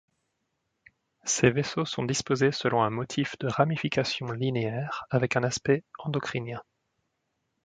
Ces vaisseaux sont disposés selon un motif de ramification linéaire, avec un aspect endocrinien.